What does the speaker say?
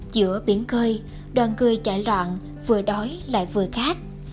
giữa biển cơi đoàn cươi chạy loạn vừa đói lại vừa khát